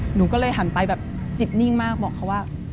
หนูก็เลยหันไปแบบจิตนิ่งมากบอกเขาว่า